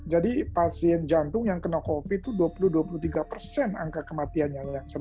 jadi pasien jantung yang kena covid itu dua puluh dua puluh tiga persen angka kematiannya